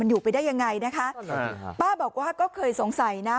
อยู่ไปได้ยังไงนะคะป้าบอกว่าก็เคยสงสัยนะ